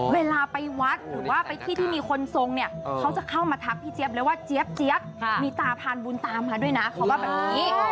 เขาจะเข้ามาทักพี่เจี๊ยบเลยว่าเจี๊ยบมีตาพานบุญตามมาด้วยนะเขาว่าแบบนี้